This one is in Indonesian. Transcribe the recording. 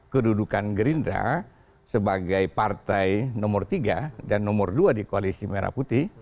kedudukan gerindra sebagai partai nomor tiga dan nomor dua di koalisi merah putih